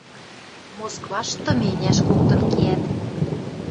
Москваш тыменяш коктын кеӓт...